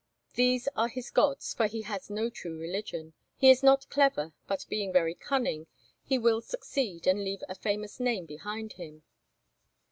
These are his gods, for he has no true religion. He is not clever but, being very cunning, he will succeed and leave a famous name behind him."